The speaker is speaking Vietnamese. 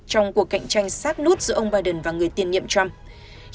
trong cuộc cạnh tranh sát nút giữa ông biden và người tiền nhiệm trump